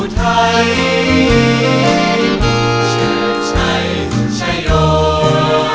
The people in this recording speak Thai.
ไทยชื่อชัยชัยโยน